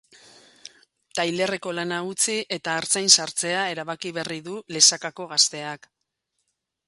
Tailerreko lana utzi eta artzain sartzea erabaki berri du lesakako gazteak.